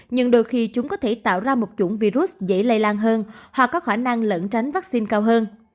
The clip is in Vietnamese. nhưng đôi khi chúng có thể tạo ra một chủng virus dễ lây lan hơn hoặc có khả năng lẫn tránh vaccine cao hơn